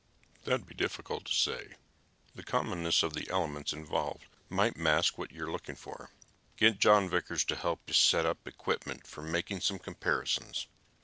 "That would be difficult to say. The commonness of the elements involved might mask what you are looking for. Get John Vickers to help you set up equipment for making some comparisons."